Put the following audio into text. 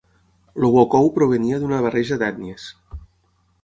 El wokou provenia d'una barreja d'ètnies.